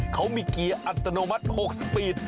เขามีเกียร์อัตโนมัติ๖สปีด